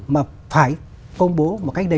mà phải công bố một cách đúng